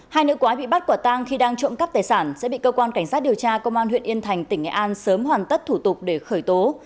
hai nữ quái bị bắt quả tang khi đang trộm cắp tài sản sẽ bị cơ quan cảnh sát điều tra công an huyện yên thành tỉnh nghệ an sớm hoàn tất thủ tục để khởi tố